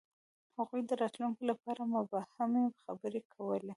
هغوی د راتلونکي لپاره مبهمې خبرې کولې.